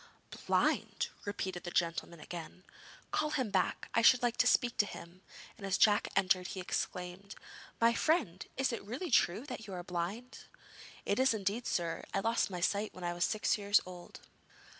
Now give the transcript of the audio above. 'Blind!' repeated the gentleman again. 'Call him back. I should like to speak to him,' and as Jack entered he exclaimed: 'My friend, is it really true that you are blind?' 'It is indeed, sir. I lost my sight when I was six years old.'